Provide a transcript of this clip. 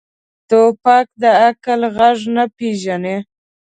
توپک د عقل غږ نه پېژني.